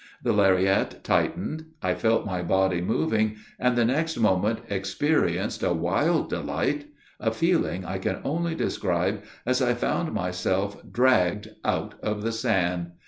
The lariat tightened, I felt my body moving, and the next moment experienced a wild delight, a feeling I can not describe, as I found myself dragged out of the sand.